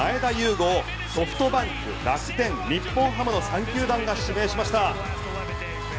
伍をソフトバンク楽天、日本ハムの３球団が競合しました。